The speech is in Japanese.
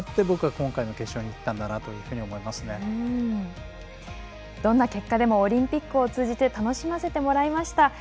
僕は、今回の決勝にいったんだとどんな結果でもオリンピックを通じて楽しませてもらいました。